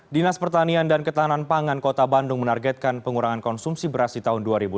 dinas pertanian dan ketahanan pangan kota bandung menargetkan pengurangan konsumsi beras di tahun dua ribu dua puluh